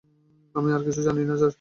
আমি আর কিছু জানি না, স্যার।